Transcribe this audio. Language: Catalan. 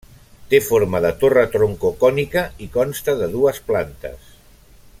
Té forma de torre troncocònica i consta de dues plantes.